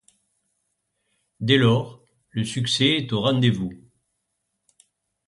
Dès lors, le succès est au rendez-vous.